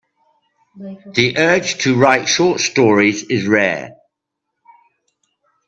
The urge to write short stories is rare.